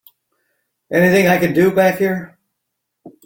Anything I can do back here?